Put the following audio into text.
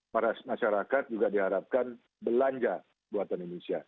masyarakat juga diharapkan belanja buatan indonesia